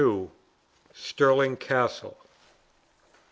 Stirling Castle.